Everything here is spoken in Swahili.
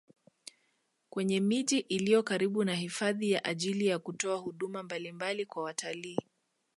Kwenye miji iliyo karibu na hifadhi kwa ajili ya kutoa huduma mbalimbali kwa watalii